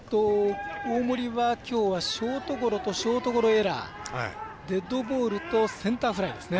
大森は、きょうはショートゴロとショートゴロエラーデッドボールとセンターフライですね。